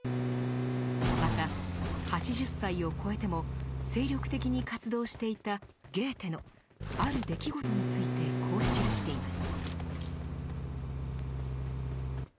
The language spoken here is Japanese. また８０歳をこえても精力的に活動していたゲーテのある出来事についてこう記しています。